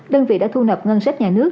đơn vị đã thu nập ngân sách nhà nước